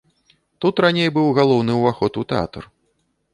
Тут раней быў галоўны ўваход у тэатр.